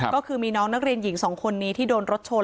ก็คือมีน้องนักเรียนหญิง๒คนนี้ที่โดนรถชน